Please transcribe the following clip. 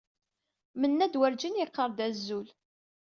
Mennad werǧin yeqqar-d azul.